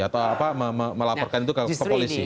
atau melaporkan itu ke polisi